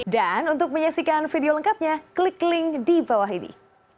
dan untuk menyaksikan video lengkapnya klik link di bawah ini